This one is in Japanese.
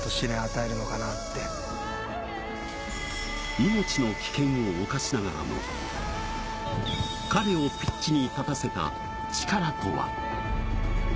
命の危険をおかしながらも、彼をピッチに立たせた力とは。